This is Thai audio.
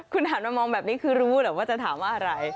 คุณหันมามองแบบนี้คือรู้หรือว่าจะถามว่าอะไร